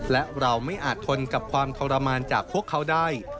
และเราไม่อาจทนกับความทรมานจากพวกเขาได้